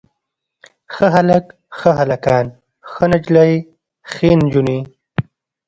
ښه هلک، ښه هلکان، ښه نجلۍ ښې نجونې.